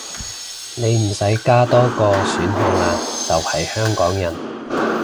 你唔使加多個選項喇，就係香港人